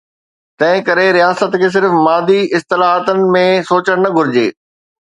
تنهن ڪري، رياست کي صرف مادي اصطلاحن ۾ سوچڻ نه گهرجي.